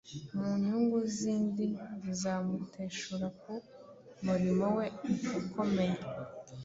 mu nyungu zindi zizamuteshura ku murimo we ukomeye.